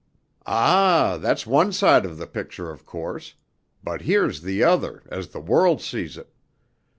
"Ah, that's one side of the picture, of course; but here's the other, as the world sees it.